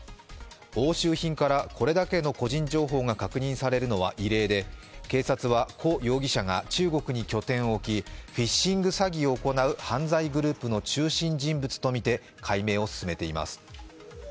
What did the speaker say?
押収品からこれだけの個人情報が確認されるのは異例で警察は胡容疑者が中国に拠点を置きフィッシング詐欺を行う犯罪グループの中心人物とみて解明を進めています。